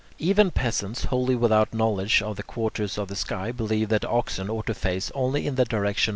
Even peasants wholly without knowledge of the quarters of the sky believe that oxen ought to face only in the direction of the sunrise.